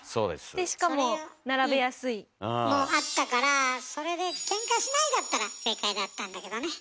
でしかも「並べやすい」。もあったからそれで「ケンカしない」だったら正解だったんだけどね。